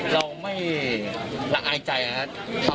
เราไม่ละอายใจนะครับ